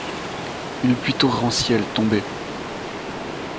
Une pluie torrentielle tombait.